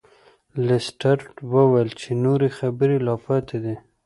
لیسټرډ وویل چې نورې خبرې لا پاتې دي.